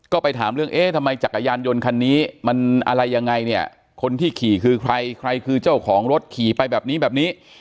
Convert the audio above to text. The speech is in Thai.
ก็ไปถามเรื่องเอ๊ะทำไมจักรยานยนต์คันนี้มันอะไรยังไงเนี่ยคนที่ขี่คือใครใครคือเจ้าของรถขี่ไปแบบนี้แบบนี้